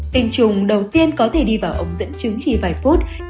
tình trùng đầu tiên có thể đi vào ống dẫn chứng chỉ vài phút